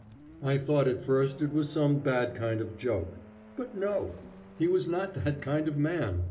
I thought at first it was some bad kind of joke; but no! He was not that kind of man.